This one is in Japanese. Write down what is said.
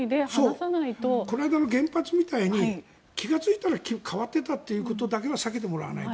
この間の原発みたいに気がついたら変わっていたっていうことだけは避けてもらわないと。